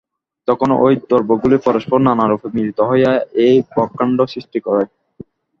তখন এই দ্রব্যগুলি পরস্পর নানারূপে মিলিত হইয়া এই ব্রহ্মাণ্ড সৃষ্টি করে।